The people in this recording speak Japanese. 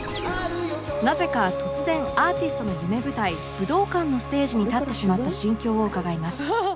なぜか突然アーティストの夢舞台武道館のステージに立ってしまった心境を伺います